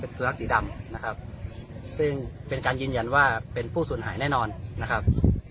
สุนัขสีดำนะครับซึ่งเป็นการยืนยันว่าเป็นผู้สูญหายแน่นอนนะครับ